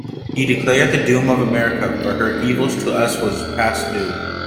He declared the doom of America, for her evils to us was past due.